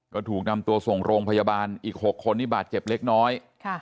ก็ถูกนำตัวส่งโรงพยาบาลอีก๖คนที่บาดเจ็บเล็กน้อย